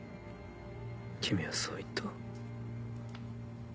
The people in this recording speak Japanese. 君はそう言った。